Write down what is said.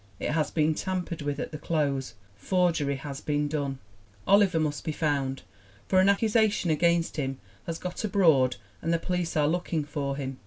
It has been tampered with at the close; forgery has been done ! Oliver must be found, for an accusation against him has got abroad and the police are looking for him.